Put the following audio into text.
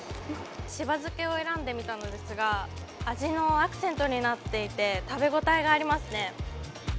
しば漬けを選んでみたのですが、味のアクセントになっていて、食べ応えがありますね。